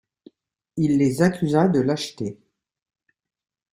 Il les accusa de lâcheté.